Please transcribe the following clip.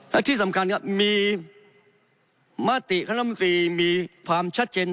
และที่สำคัญครับมีมติคณะมนตรีมีความชัดเจน